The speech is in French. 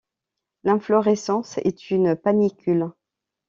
L'inflorescence est une panicule.